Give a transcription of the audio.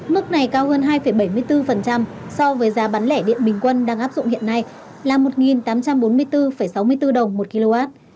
mức này cao hơn hai bảy mươi bốn so với giá bán lẻ điện bình quân đang áp dụng hiện nay là một tám trăm bốn mươi bốn năm mươi chín